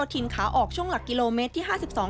ถิ่นขาออกช่วงหลักกิโลเมตรที่๕๒